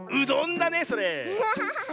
だねそれ。